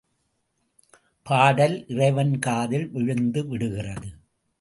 பாடல் இறைவன் காதில் விழுந்து விடுகிறது.